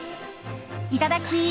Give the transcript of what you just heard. いただき！